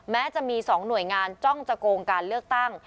แม้จะมี๒หน่วยงานจ้องจะโกงการเลือกตั้ง